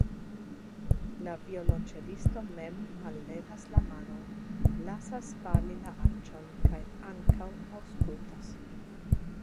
La violonĉelisto mem mallevas la manon, lasas fali la arĉon kaj ankaŭ aŭskultas.